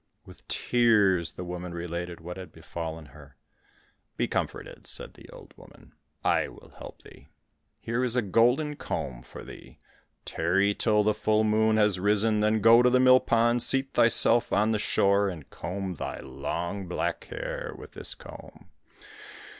With tears, the woman related what had befallen her. "Be comforted," said the old woman, "I will help thee. Here is a golden comb for thee. Tarry till the full moon has risen, then go to the mill pond, seat thyself on the shore, and comb thy long black hair with this comb.